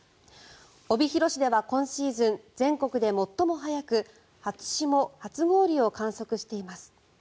帯広市では今シーズン全国で最も早く初霜、初氷を観測しています。